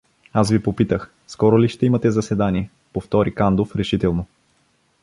— Аз ви питах: скоро ли ще имате заседание? — повтори Кандов решително.